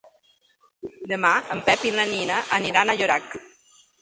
Demà en Pep i na Nina aniran a Llorac.